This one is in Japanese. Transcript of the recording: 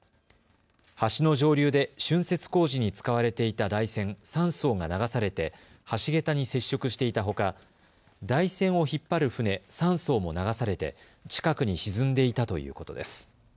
橋の上流でしゅんせつ工事に使われていた台船３そうが流されて橋桁に接触していたほか台船を引っ張る船３そうも流されて近くに沈んでいたということです。